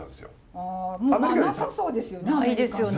ああなさそうですよね。